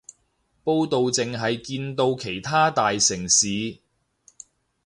報導淨係見到其他大城市